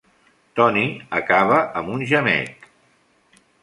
Tony acaba amb un gemec.